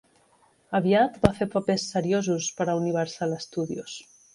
Aviat va fer papers seriosos per a Universal Studios.